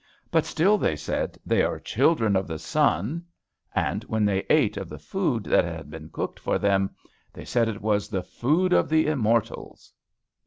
But still they said, "They are children of the sun." And when they ate of the food that had been cooked for them, they said it was the food of the immortals.